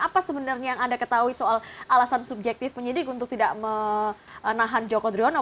apa sebenarnya yang anda ketahui soal alasan subjektif penyidik untuk tidak menahan joko driono